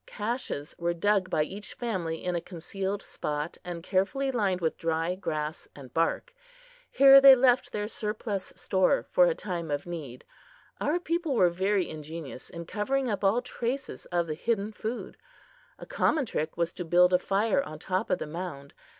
Caches were dug by each family in a concealed spot, and carefully lined with dry grass and bark. Here they left their surplus stores for a time of need. Our people were very ingenious in covering up all traces of the hidden food. A common trick was to build a fire on top of the mound.